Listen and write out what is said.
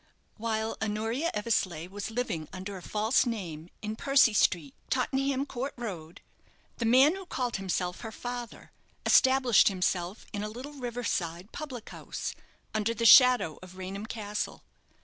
While Honoria Eversleigh was living under a false name in Percy Street, Tottenham Court Road, the man who called himself her father, established himself in a little river side public house, under the shadow of Raynham Castle.